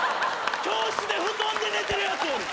教室で布団で寝てるやつおる。